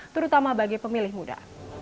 terutama bagi pemilih muda